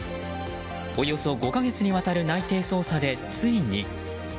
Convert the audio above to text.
およそ５か月にわたる内偵捜査で、ついに。